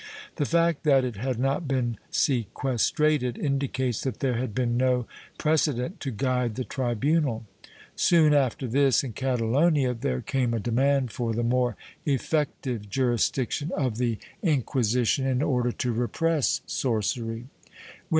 The fact that it had not been sequestrated indicates that there had been no pre cedent to guide the tribunal.^ Soon after this, in Catalonia, there came a demand for the more effective jurisdiction of the Inquisi * Villanueva, Viage Literario, XX, 190.